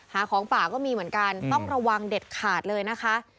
หาของป่าก็มีเหมือนกันต้องระวังเด็ดขาดเลยนะคะ